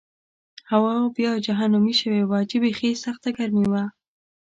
هوا بیا جهنمي شوې وه چې بېخي سخته ګرمي وه.